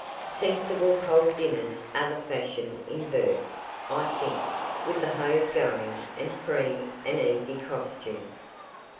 Sensible cold dinners are the fashion in Bourke, I think, with the hose going, and free and easy costumes.